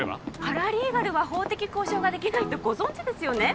パラリーガルは法的交渉ができないってご存じですよね？